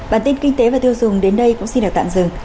bản tin kinh tế và tiêu dùng đến đây cũng xin được tạm dừng